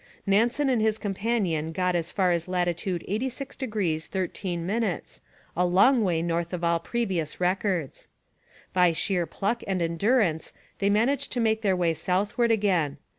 Nansen and his companion got as far as latitude 86° 13', a long way north of all previous records. By sheer pluck and endurance they managed to make their way southward again.